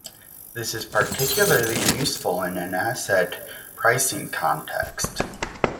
This is particularly useful in an asset pricing context.